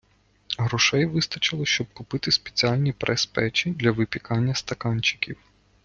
Грошей вистачило, щоб купити спеціальні прес - печі для випікання стаканчиків.